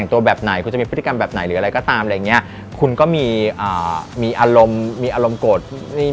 ทุกคนคิดว่า